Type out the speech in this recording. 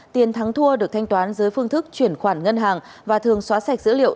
tiền thắng thua được thanh toán dưới phương thức chuyển khoản ngân hàng và thường xóa sạch dữ liệu